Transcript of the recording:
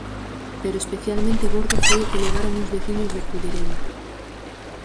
Pero especialmente gordo foi o que levaron uns veciños de Culleredo.